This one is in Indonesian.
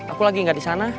aku lagi gak di sana